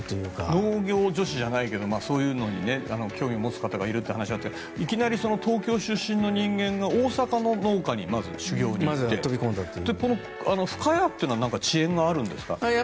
農業女子じゃないけどそういうのに興味を持つ方がいるって話があっていきなり東京出身の人間が大阪の農家にまず修業に行ってこの深谷というのは地縁があるんですか？